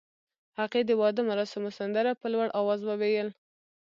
هغې د واده مراسمو سندره په لوړ اواز وویل.